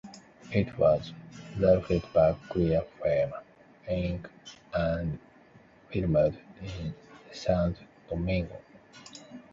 It was directed by Crea Fama Inc and filmed in Santo Domingo.